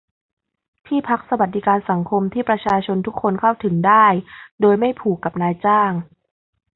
ที่พักสวัสดิการสังคมที่ประชาชนทุกคนเข้าถึงได้ โดยไม่ผูกกับนายจ้าง